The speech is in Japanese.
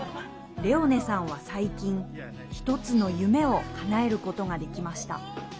レオネさんは最近、１つの夢をかなえることができました。